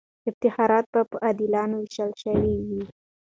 افتخارات به عادلانه وېشل سوي وي.